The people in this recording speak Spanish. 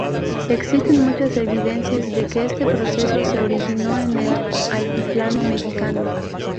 Existen muchas evidencias de que este proceso se originó en el altiplano mexicano.